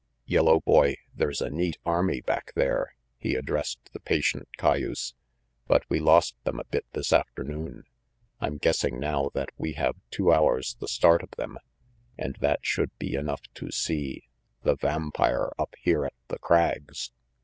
"Yellow boy, there's a neat army back there," he addressed the patient cay use, "but we lost them a bit this afternoon. I'm guessing now that we have two hours the start of them, and that should be enough to see the vampire up here at the Crags."